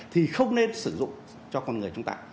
thì không nên sử dụng cho con người chúng ta